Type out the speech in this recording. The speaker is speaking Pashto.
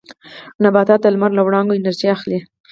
نباتات د لمر له وړانګو انرژي اخلي